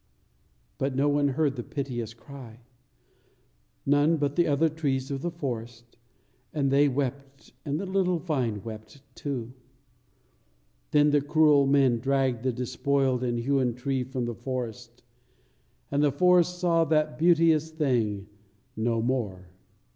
But no one heard the piteous cry, none but the other trees of the forest; and they wept, and the little vine wept too. Then the cruel men dragged the despoiled and hewn tree from the forest, and the forest saw that beauteous thing no more.